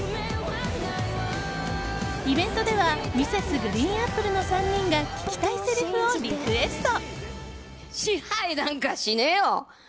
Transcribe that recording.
イベントではＭｒｓ．ＧＲＥＥＮＡＰＰＬＥの３人が聞きたいせりふリクエスト。